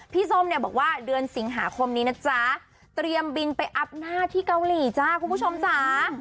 ส้มเนี่ยบอกว่าเดือนสิงหาคมนี้นะจ๊ะเตรียมบินไปอัพหน้าที่เกาหลีจ้าคุณผู้ชมจ๋า